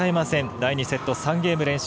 第２セット３ゲーム連取。